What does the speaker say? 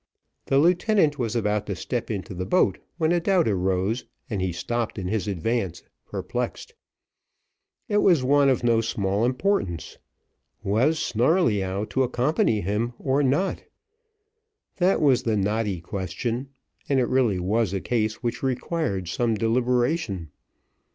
The lieutenant was about to step into the boat, when a doubt arose, and he stopped in his advance, perplexed. It was one of no small importance was Snarleyyow to accompany him or not? That was the knotty question, and it really was a case which required some deliberation.